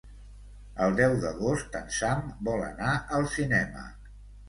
El deu d'agost en Sam vol anar al cinema.